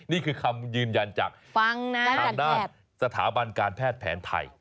นี่คือคำยืนยันจากทางด้านสถาบันการแพทย์แผนไทย